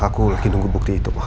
aku lagi nunggu bukti itu pak